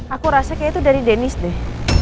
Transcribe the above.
aku rasa kayaknya itu dari dennis deh